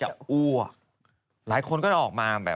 เราเลือกแล้วรับไม่ได้